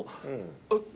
えっ！